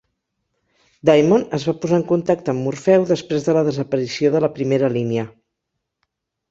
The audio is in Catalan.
Daemon es va posar en contacte amb Morfeu després de la desaparició de la primera línia.